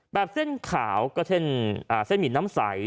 เส้นขาวก็เช่นเส้นหมี่น้ำใส